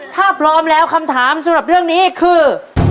ถ้าพร้อมแล้วคำถามสำหรับเรื่องนี้คือ